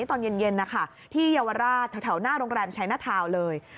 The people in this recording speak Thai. ตอนเย็นนะคะที่เยาวราชแถวหน้าโรงแรมชัยหน้าทาวน์เลย